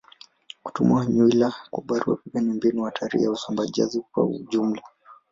Kutuma nywila kwa barua pepe ni mbinu hatari ya usambazaji kwa ujumla.